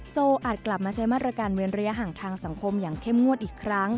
โซอาจกลับมาใช้มาตรการเว้นระยะห่างทางสังคมอย่างเข้มงวดอีกครั้ง